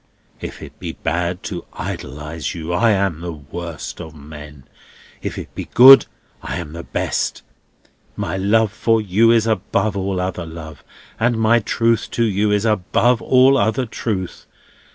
If it be bad to idolise you, I am the worst of men; if it be good, I am the best. My love for you is above all other love, and my truth to you is above all other truth.